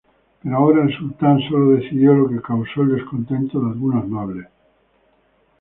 Pero ahora el sultán solo decidió, lo que causó el descontento de algunos nobles.